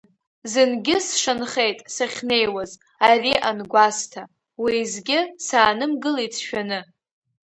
Зынгьы сшанхеит сахьнеиуаз, ари ангәасҭа, уеизгьы, саанымгылеит сшәаны.